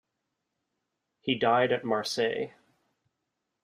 He died at Marseilles.